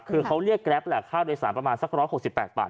คือเขาเรียกแกรปแหละค่าโดยสารประมาณสัก๑๖๘บาท